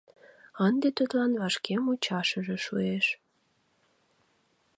Ынде тудлан вашке мучашыже шуэш.